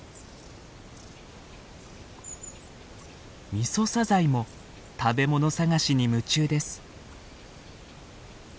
ミソサザイも食べ物探しに夢中です。